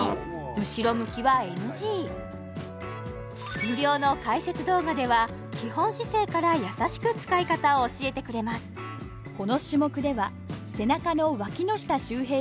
後ろ向きはＮＧ無料の解説動画では基本姿勢からやさしく使い方を教えてくれますそう